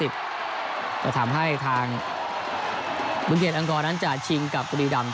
จะทำให้ทางเบื้องเขตอังคอนั้นจะชิงกับกุฎีดำ